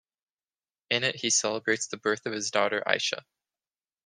In it he celebrates the birth of his daughter, Aisha.